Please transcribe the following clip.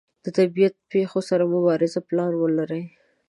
د طبیعي پیښو سره د مبارزې پلان ولري.